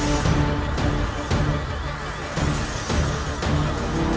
bahkan kau datang ya ku coba melihatnya